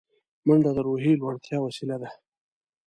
منډه د روحیې لوړتیا وسیله ده